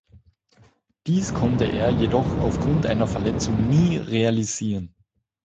Dies konnte er jedoch auf Grund einer Verletzung nie realisieren.